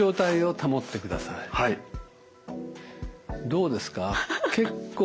どうですか結構。